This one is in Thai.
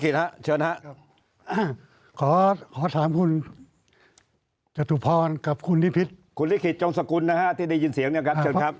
ขอถามคุณขี้ฟิชขอถามคุณเหจาตุพรแบบมีคำถามนะครับ